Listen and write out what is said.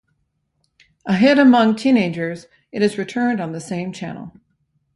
A hit among teenagers, it has returned on the same channel.